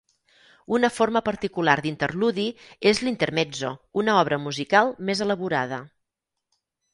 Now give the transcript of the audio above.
Una forma particular d'interludi és l'intermezzo, una obra musical més elaborada.